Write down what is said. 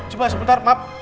coba sebentar maaf